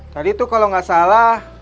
tadi tuh kalo gak salah